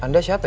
anda siapa ya